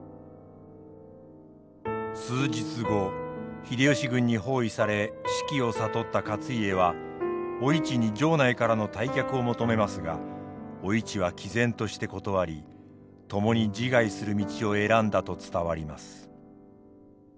数日後秀吉軍に包囲され死期を悟った勝家はお市に城内からの退却を求めますがお市はきぜんとして断り共に自害する道を選んだと伝わります。